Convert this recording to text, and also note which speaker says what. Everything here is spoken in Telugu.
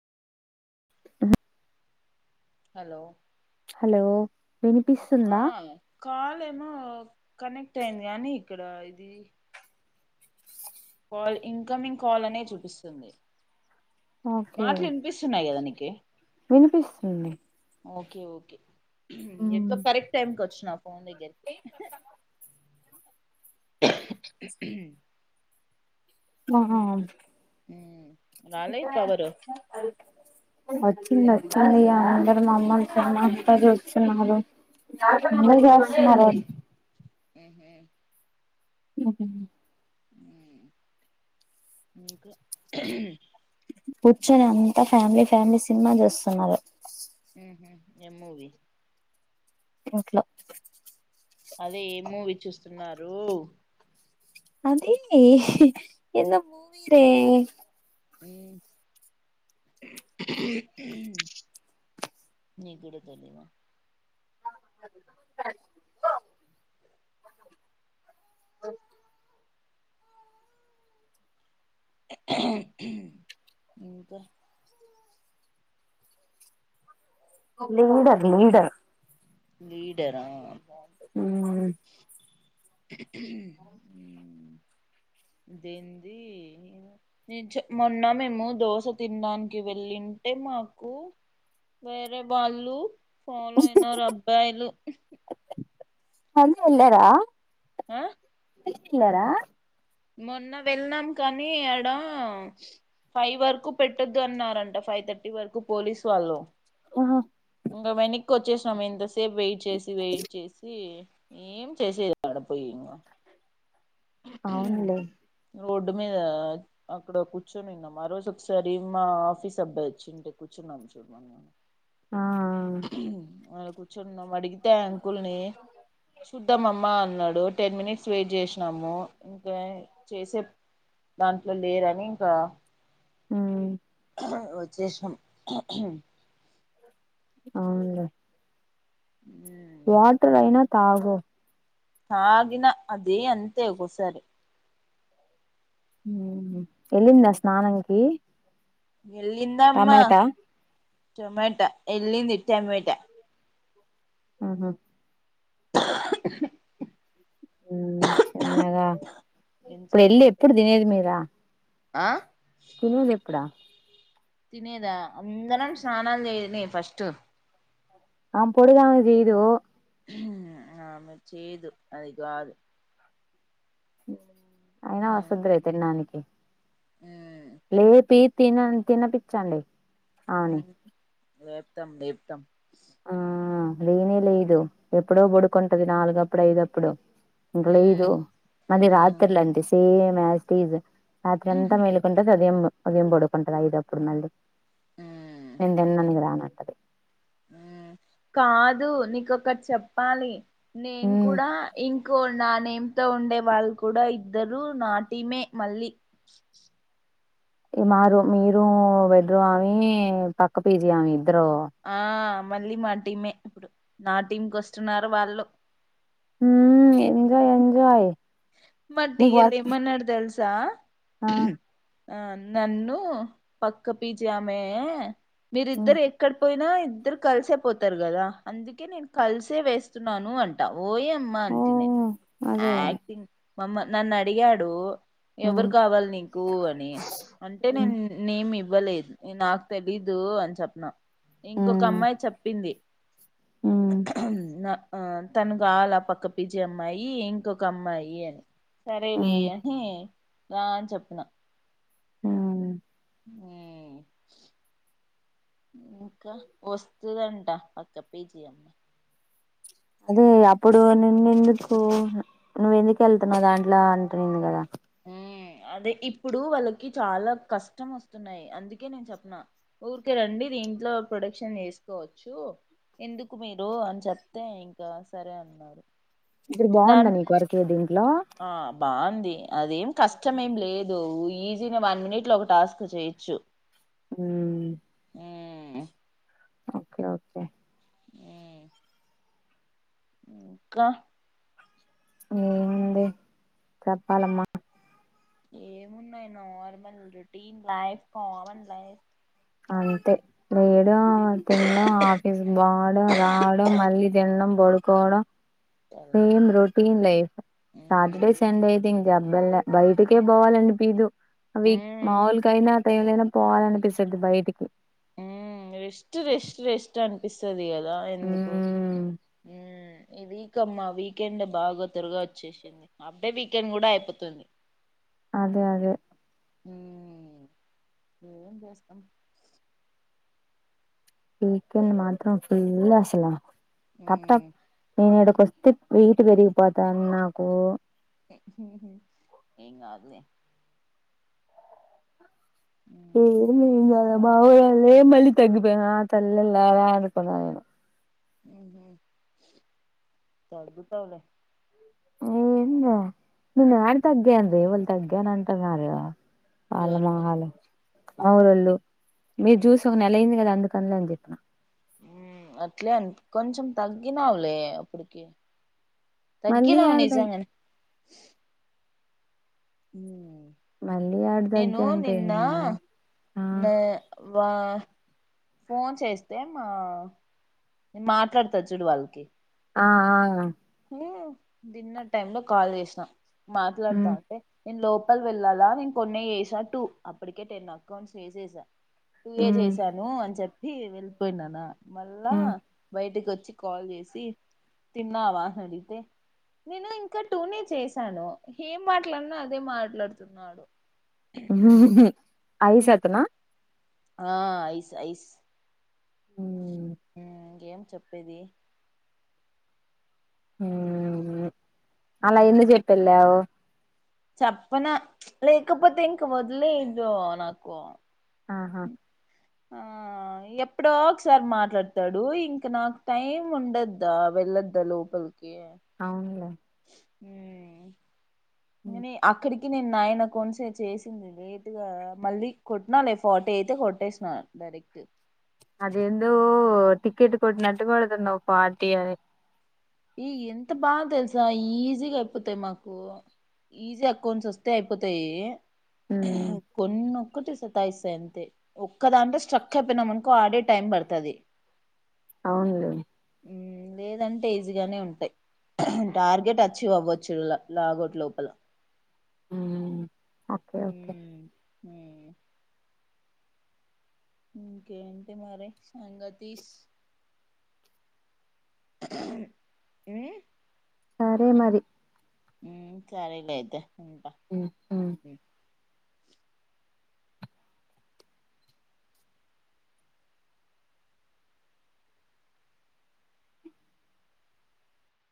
Speaker 1: ఆ
Speaker 2: హలో
Speaker 1: హలో
Speaker 2: ఆ
Speaker 1: వినిపిస్తుందా
Speaker 2: కాలమో కనెక్ట్ అయింది కాగానీ ఇక్కడ ఇది కాల్ ఇన్కమింగ్ కాల్ అనే చూపిస్తుంది
Speaker 1: ఓకే
Speaker 2: మాటలు వినిపిస్తున్నాయి కదా నీకి
Speaker 1: వినిపిస్తుంది
Speaker 2: ఓకే ఎక్కు కరెక్ట్ టైంకి వచ్చు నా ఫోన్ దగ్గరికి హే
Speaker 1: ఆహా
Speaker 2: ఉమ్
Speaker 1: ఇ
Speaker 2: రాలే పవరు
Speaker 1: వచ్చింది అందరూ మమ్మల్ని సమ అంతా చూస్తున్నారు వస్తున్నారుర
Speaker 2: ఉ
Speaker 1: ఆ
Speaker 2: క
Speaker 1: కూర్చొని అంతా ఫ్యామిలీ ఫ్యామిలీ సినిమా చూస్తున్నరూ
Speaker 2: ఏమవి
Speaker 1: ఇట్లా
Speaker 2: అదే ఏ మూవీ చూస్తున్నారు
Speaker 1: అదే ఎన్న మూయరే
Speaker 2: న కూడాడ తెలివా
Speaker 1: సర అ
Speaker 2: ఇకా
Speaker 1: లీడర్ లీడర్
Speaker 2: లీడరా
Speaker 1: [unintelligible]
Speaker 2: అదేంది నౄను చౄమొన్న మేము దోశ తినడానికి వెళ్ళింటే మాకు వేరే వాళ్ళు ఫాలో అయినారు అ బ్బాయిలు
Speaker 1: అంద ఎల్లార
Speaker 2: ఆ
Speaker 1: లారా
Speaker 2: మొన్న వెళ్నాం కానీ అడ ఫైవ్ వరకు పెట్టొద్దు అన్నారంట ఫైవ్ థర్టీ వరకు పోలీసు వాళ్ళు
Speaker 1: ఓహ
Speaker 2: ఉంగ వెనిక్ వచ్చేసినాం ఇంతసేపు వెయిట్ చేసి వెయిట్ చేసి ఏం చేసేది అడ పోయి ఇంగ
Speaker 1: అవునులే
Speaker 2: రోడ్డు మీద అక్కడ కూర్చునిన్నాం ఆ రోజు ఒకసారి మా ఆఫీస్ అబ్బాయి వచ్చింటే కూర్చున్నాం చూడమ
Speaker 1: ఆ
Speaker 2: [inaudible] చున్నాం అడిగితే అంకుల్ని చూద్దామమ్మా అన్నాడు టెన్ మినిట్స్ వెయిట్ చేసినాము ఇంకా చేసే దాంట్లో లేరని ఇంకా
Speaker 1: ఉమ్
Speaker 2: వచ్చేషినం
Speaker 1: అవునులే
Speaker 2: ఉ
Speaker 1: వాటర్ అయినా తాగు
Speaker 2: తాగిన అదీ అంతే ఒకోసారి
Speaker 1: ఊహు ఎల్లిందా స్నానానికి
Speaker 2: ఎల్లిందమ్మా టొమటా ఎల్లింది టమేటా
Speaker 1: ఆహా
Speaker 2: [inaudible]
Speaker 1: ఉమ్ చిన్నగా
Speaker 2: ఎంతసేపుకి
Speaker 1: ఇప్పుడెళ్ళి ఎప్పుడు
Speaker 2: వస్తది
Speaker 1: తినేది మీరా
Speaker 2: ఆ
Speaker 1: తినేదెప్పుడా
Speaker 2: తినేదా అందనం స్నానాలు చేయనీ ఫస్టు
Speaker 1: ఆమె పొడుగామె చెయదూ
Speaker 2: ఆమె చేయదు అది కాదు
Speaker 1: అయినా
Speaker 2: మ్
Speaker 1: వసద్దిలే తిండానికి
Speaker 2: మ్
Speaker 1: లేపీ తినన్ తిన పిచ్చాండి
Speaker 2: అ లేేపుతాం లేేపుతాం
Speaker 1: ఆ లేనే లేదు ఎప్పుడో బడుకుంటది నాలుగప్పుడు అయిదప్పుడు లేదు
Speaker 2: మ్
Speaker 1: మల్లి
Speaker 2: మ్
Speaker 1: రాత్రిల్లంతే సేమ్ మాస్ స్క్వీసే రాత్రంతా
Speaker 2: మ్హ్
Speaker 1: మేల్కుంటా సదివిన్ను పొద్దున్న బడుకుంటాది ఐదప్పుడు మళ్ళీ
Speaker 2: మ్
Speaker 1: నేన్ [unintelligible] రానంటది
Speaker 2: కాదు నీకొకటి చెప్పాలి నేను
Speaker 1: మ్మ్
Speaker 2: కూడా ఇం కో నానేేమ్ తో ఉండే వాళ్ళు కూడా ఇద్దరు నా టీమే మళ్ళీ
Speaker 1: ఈ మా రూ మీరు బెడ్రూ ఆవి పక్క పీ జీ ఆమి ఇ
Speaker 2: ఆ మళ్ళీ మా టీమే ఇప్పుడు నా టీంకి వస్తున్నారు వాళ్ళు
Speaker 1: ఊ ఎంజాయ్ ఎంజాయ్
Speaker 2: మా టీ
Speaker 1: నీకు
Speaker 2: ఎల్
Speaker 1: వర్క్
Speaker 2: ఏమన్నాడు దెల్స్ తా
Speaker 1: ఆ!
Speaker 2: ఆ నన్ను పక్క పీ జీ ఆమె
Speaker 1: హ్మ్.
Speaker 2: మీరిద్దరు ఎక్కడ పోయి నా ఇద్దరు కలిసే పోతారు కదా అందుకే నేను కలిసే వేస్తున్నాను అంటావు పోయి అమ్మా ఆంటని
Speaker 1: ఓహ్! అదే.
Speaker 2: మమ్మ నన్ను అడిగాడు
Speaker 1: హ్మ్.
Speaker 2: ఎవరు కావాలి నీకు అని అంటే
Speaker 1: హ్మ్.
Speaker 2: నేను నేను ఇవ్వలేదు నాకు తెలీదు అని చెప్పిన ఇంకొక
Speaker 1: హ్మ్.
Speaker 2: అమ్మాయి చెప్పింది
Speaker 1: హ్మ్.
Speaker 2: తను కావాల పక్క పిజి అమ్మాయి ఇంకొక అమ్మాయి ఏ సరేలే
Speaker 1: హ్మ్.
Speaker 2: అని రా అని చెప్పిన
Speaker 1: ఆ
Speaker 2: ఇంకా వస్తుదంట పక్క పీజీ అమ
Speaker 1: అదే అప్పుడు నిన్న ఎందుకు నువ్వు ఎందుకు వెళ్తున్నావు దాంట్లో అంటునేంది కదా
Speaker 2: ఆ అదే ఇప్పుడు వాళ్ళకి చాలా కష్టం వస్తున్నాయి అందుకే నేను చెప్పన ఊరికే రండి దీంట్లో ప్రొడక్షన్ చేసుకోవచ్చు ఎందుకు మీరు అని చెప్తే ఇంకా సరే అన్నారు
Speaker 1: ఇప్పుడు బాగుందా
Speaker 2: దాన్
Speaker 1: నీకు కొరకే దిం
Speaker 2: ఆ బాగుంది అదేం కష్టమేం లేదు ఈజీనే వన్ మినిట్ లో ఒక టాస్క్ చేయొచ్చు
Speaker 1: అ
Speaker 2: హ
Speaker 1: ఓకే ఓకే
Speaker 2: కా
Speaker 1: ఏంది చెప్పాలమ్మా
Speaker 2: ఏమున్నాయి normal routine life common life
Speaker 1: అంతే నే లేయడం తిండం ఆఫీస్ బోడం రావడం మళ్ళీ తిడం బడు గోడ
Speaker 2: తెల్లారి
Speaker 1: సేమ్ రోటీన్ లైఫ్
Speaker 2: హ్మ్
Speaker 1: యబ్బల్లే బయటికే పోవాలనిపీదు అవి
Speaker 2: ఉమ్
Speaker 1: మాముల్ కైనా ఎవ్లైనా పోవాలనిపిస్ తది బయటికి
Speaker 2: రెస్ట్ రెస్ట్ రెస్ట్ అనిపిస్తది కదా ఎందుకు
Speaker 1: ఉమ్
Speaker 2: ఉమ్ ఈ వీకమ్మా వీకెండ్ బాగా త్వరగా వచ్చేసింది అప్పుడే వీకెండ్ కూడా అయిపోతుంది
Speaker 1: అదే అదే
Speaker 2: ఉమ్ ఏం చేస్తం
Speaker 1: వీకెండ్ మాత్రం ఫుల్ అసల టప్ టప్
Speaker 2: ఉమ్
Speaker 1: నేను ఎడక్ పస్తి హీటు పెరిగిపోతాంది నాకు
Speaker 2: ఉహూ ఏం కాదులే
Speaker 1: ఉమ్ మ్ ఇంగ బావాగారిదే మళ్ళి తగ్గిపోయా తల్లుల్లారా అనుకున్న నేను
Speaker 2: తగ్గుతవ్ లే
Speaker 1: [unintelligible] నేన్ ఎడా తగ్గన్వే ఎవళ్ తగ్గానంటున్నారు అల్లా
Speaker 2: ఎవరు
Speaker 1: మోహాల్లు మాఊరోళ్ళు మీరు
Speaker 2: ఉమ్
Speaker 1: జూసి ఒక నెల అయింది కదా అందుకని నేన్ చెప్పిన
Speaker 2: అట్లే అ కొంచెం తగ్గినవులే అప్పటికి
Speaker 1: మళ్ళీ
Speaker 2: తగ్గినవ్
Speaker 1: యాడ తగ్
Speaker 2: నిజంగన్ ఉమ్
Speaker 1: మళ్ళీ యాడ
Speaker 2: నేను
Speaker 1: తగ్గాను రే
Speaker 2: నిన్న
Speaker 1: నేను ఆ
Speaker 2: నా వా ఫోన్ చేస్తే మా మాట్లాడతద్ చూడు వాళ్ళకి
Speaker 1: ఆ ఆ
Speaker 2: తే డిన్నర్ టైమ్ లో కాల్ చేసినా
Speaker 1: మ్
Speaker 2: మాట్లాడ్తాంటే నేన్ లో ప్పల్ వెళ్ళలా నేను కొన్ని సట్టూ అప్పటికే టెన్ అకౌంట్స్ వేసేసా టూ ఎ
Speaker 1: మ్
Speaker 2: చేశాను అని చెప్ ఇ వెళ్ళిపోయినానా మళ్ళా
Speaker 1: మ్
Speaker 2: బయటికొ చ్చి కాల్ చేసి తిన్నావా అడిగితే నేను ఇంకా టూనే చేశాను ఏం మాట్లాడిన అదే మాట్లాడుతున్నాడు
Speaker 1: ఐసత్నా
Speaker 2: ఆ ఐస్ ఐస్
Speaker 1: ఉమ్
Speaker 2: మ్మ్ ఏం చెప్పేది
Speaker 1: మ్మ్ మ్ అలా ఎందుక్ చెప్పెల్లావ్
Speaker 2: చెప్పన లేకపోతే ఇంక వదిలేదు నాకు
Speaker 1: ఆహా
Speaker 2: ఆ ఎప్పుడో ఒకసారి మాట్లాడతాడు ఇంకా నాకు టైం ఉండద్దా వెళ్ళద్దా లోపలికి
Speaker 1: అవునులే
Speaker 2: హుమ్ ఇంగ నే అక్కడికి నేన్ నైన్ అకౌంట్స్ ఏ చేసింది లేట్గా మళ్ళీ కొట్నాలే ఫార్టీ అయితే కొట్టేసిన డైరెక్ట్
Speaker 1: అదెందో టికెటు కొటినట్టు కొడుతున్నావ్ ఫార్టీ అని
Speaker 2: ఈ ఎంత బాగా తెలుసా ఈజీగా అయిపోతాయి మాకు ఈజీ అకౌంట్స్ వస్తే అయిపోతాయి
Speaker 1: మ్
Speaker 2: కొన్ను ఒకటి సతాయిస్తయ్ అంతే ఒక్కదాంతో స్ట్రక్ అయిపోయినాం అనుకో ఆడే టైం పడతది
Speaker 1: అవునులే
Speaker 2: హమ్ లేదం టె ఈజీగానే ఉంటయ్ టార్గెట్ అచీవ్ అవ్వచ్చు ల లాగౌట్ లోపల
Speaker 1: హుమ్
Speaker 2: హమ్ హమ్ ఇంకేంటి మరి సంగతీస్ హమ్
Speaker 1: సరే మరి
Speaker 2: హోం సరేలే అయితే ఉంటా
Speaker 1: హం హం